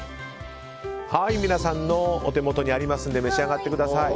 皆さんのお手元にありますので召し上がってください。